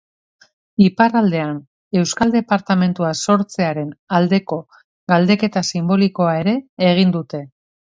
Iparraldean euskal departamentua sortzearen aldeko galdeketa sinbolikoa ere egin dute.